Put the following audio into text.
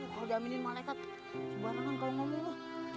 gua udah aminin malaikat sembarangan kalo ngomong lu